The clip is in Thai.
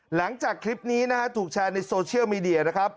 หลังจากคลิปนี้นะฮะถูกแชร์ในโซเชียลมีเดียนะครับ